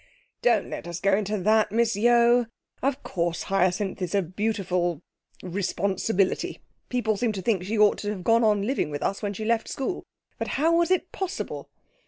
'Don't let us go into that, Miss Yeo. Of course, Hyacinth is a beautiful responsibility. People seem to think she ought to have gone on living with us when she left school. But how was it possible?